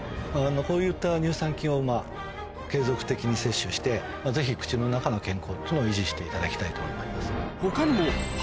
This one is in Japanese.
こういった乳酸菌を継続的に摂取してぜひ口の中の健康というのを維持していただきたいと思います。